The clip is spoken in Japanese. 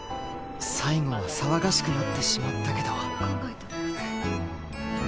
最後は騒がしくなってしまったけど